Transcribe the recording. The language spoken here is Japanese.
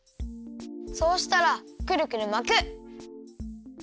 そうしたらくるくるまく。